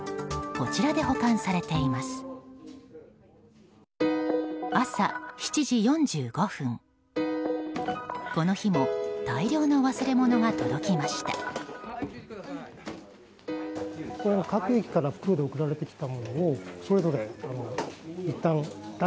この日も大量の忘れ物が届きました。